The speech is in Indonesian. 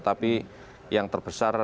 tapi yang terbesar itu